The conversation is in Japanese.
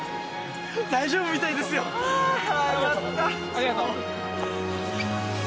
ありがとう。